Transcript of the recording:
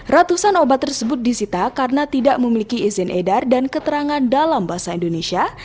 ratusan obat tersebut disita karena tidak memiliki izin edar dan keterangan dalam bahasa indonesia